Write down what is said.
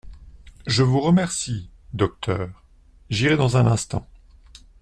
Je vous remercie, docteur ; j'irai dans un instant.